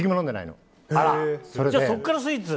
じゃあそこからスイーツ？